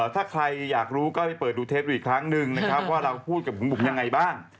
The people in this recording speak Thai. ถ้าใครอยากรู้ก็ไปเปิดดูเทปดูอีกครั้งหนึ่งนะครับว่าเราพูดกับบุ๋มยังไงบ้าง